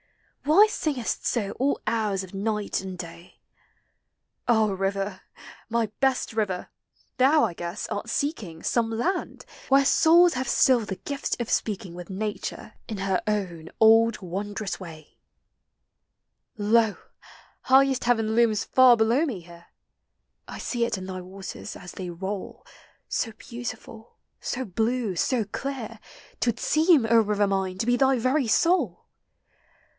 Why singes! so all hours of Qighl and day? Ah, river! my best river! thou, I guess, an seeking Some land where souls have still the gifl of Bpeak« ing With nature in her own old wondrous uraj I 206 POEMS OF NATURE. Lo! highest heaven looms far below me here; * I see it in thy waters, as they roll, 80 beautiful, so blue, so clear, 'T would seem, O river mine, to be thy very soul